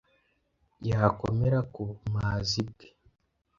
yakomera ku bumazi bwe